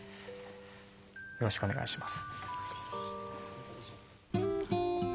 よろしくお願いします。